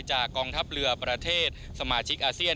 กองทัพเรือประเทศสมาชิกอาเซียน